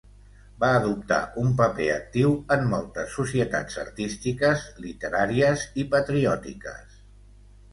Va adoptar un paper actiu en moltes societats artístiques, literàries i patriòtiques.